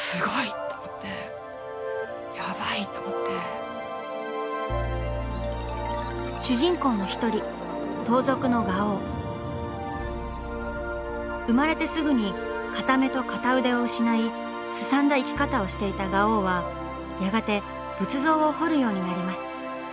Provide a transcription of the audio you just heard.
「これでも読むか」と思って主人公の１人生まれてすぐに片目と片腕を失いすさんだ生き方をしていた我王はやがて仏像を彫るようになります。